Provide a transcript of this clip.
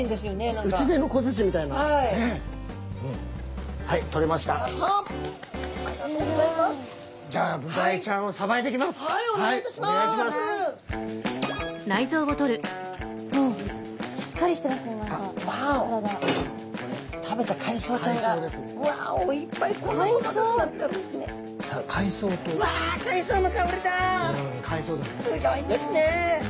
すギョいですね。